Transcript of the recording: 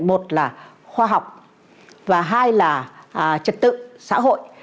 một là khoa học và hai là trật tự xã hội